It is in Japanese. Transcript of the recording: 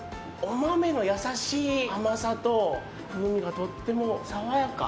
お豆も優しい甘さと風味がとっても爽やか。